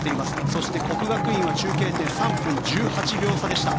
そして、國學院は中継点３分１８秒差でした。